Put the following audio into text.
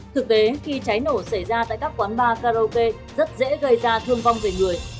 thực tế khi cháy nổ xảy ra tại các quán bar karaoke rất dễ gây ra thương vong về người